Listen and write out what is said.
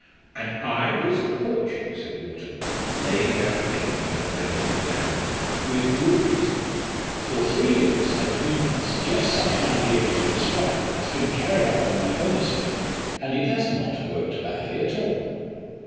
"And I will support you," said Wharton, laying down the paper knife and bending over to Hallin, "with good reason. For three years and a few months just such an idea as you describe has been carried out on my own estate, and it has not worked badly at all."